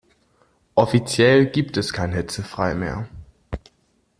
Offiziell gibt es kein hitzefrei mehr.